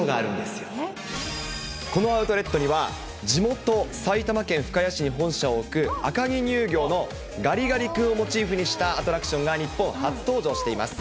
このアウトレットには、地元、埼玉県深谷市に本社を置く赤城乳業のガリガリ君をモチーフにしたアトラクションが日本初登場しています。